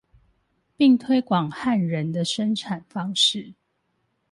並推廣漢人的生產方式